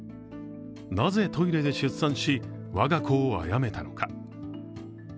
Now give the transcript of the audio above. なぜトイレで出産し我が子をあやめたのか。